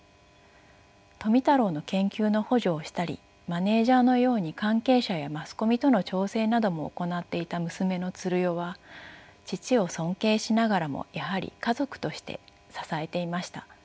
富太郎の研究の補助をしたりマネージャーのように関係者やマスコミとの調整なども行っていた娘の鶴代は父を尊敬しながらもやはり家族として支えていました。